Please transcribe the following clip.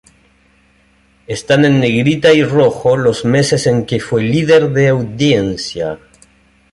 Están en negrita y rojo los meses en que fue líder de audiencia.